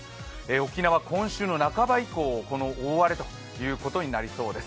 沖縄は今週の半ば以降、大荒れということになりそうです。